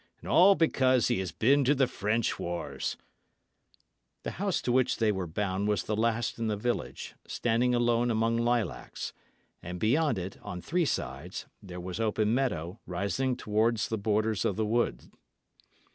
And all because he has been to the French wars!" The house to which they were bound was the last in the village, standing alone among lilacs; and beyond it, on three sides, there was open meadow rising towards the borders of the wood.